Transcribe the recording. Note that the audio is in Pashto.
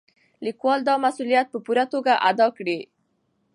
لیکوال دا مسؤلیت په پوره توګه ادا کړی.